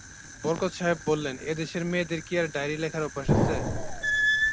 বরকত সাহেব বললেন, এ-দেশের মেয়েদের কি আর ডায়েরি লেখার অভ্যাস আছে?